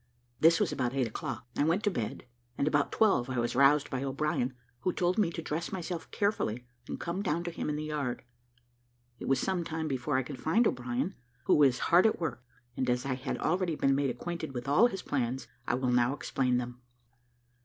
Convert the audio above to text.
This was about eight o'clock. I went to bed, and about twelve I was roused by O'Brien, who told me to dress myself carefully, and come down to him in the yard. It was some time before I could find O'Brien, who was hard at work; and, as I had already been made acquainted with all his plans, I will now explain them.